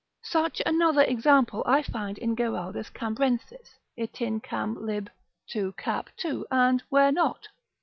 Such another example I find in Geraldus Cambrensis Itin. Cam. lib. 2. cap. 2. and where not?